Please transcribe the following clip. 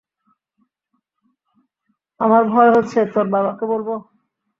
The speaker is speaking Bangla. আমার ভয় হচ্ছে, তোর বাবাকে বলবো?